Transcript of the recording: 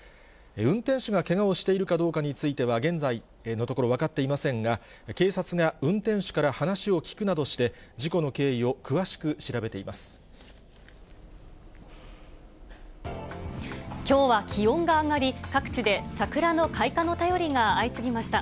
運転手がけがをしているかどうかについては、現在のところ分かっていませんが、警察が運転手から話を聴くなどして、事故の経緯を詳しく調べていきょうは気温が上がり、各地で桜の開花の便りが相次ぎました。